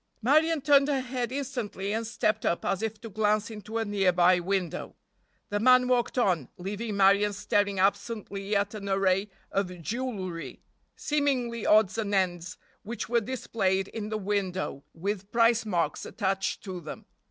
Marion turned her head instantly and stepped up as if to glance into a nearby window. The man walked on, leaving Marion staring absently at an array of jewelry, seemingly odds and ends, which were displayed in the window with price marks attached to them.